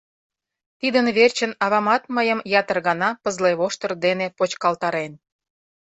Тидын верчын авамат мыйым ятыр гана пызле воштыр дене почкалтарен.